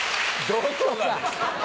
どこがですか？